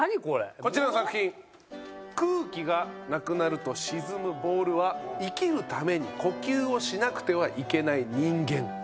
こちらの作品空気がなくなると沈むボールは生きるために呼吸をしなくてはいけない人間。